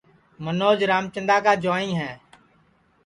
منوج رامچندا کا جُوائیں ہے